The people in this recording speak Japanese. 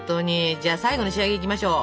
じゃあ最後の仕上げいきましょう。